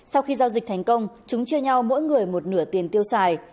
sau khi giao dịch thành công chúng chia nhau mỗi người một nửa tiền tiêu xài